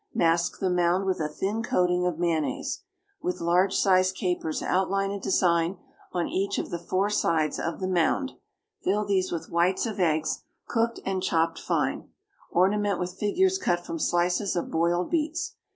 Mask the mound with a thin coating of mayonnaise. With large sized capers outline a design on each of the four sides of the mound, fill these with whites of eggs, cooked and chopped fine. Ornament with figures cut from slices of boiled beets.